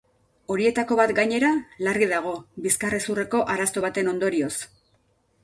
Horietako bat, gainera, larri dago, bizkar hezurreko arazo baten ondorioz.